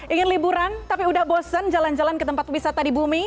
ingin liburan tapi udah bosan jalan jalan ke tempat wisata di bumi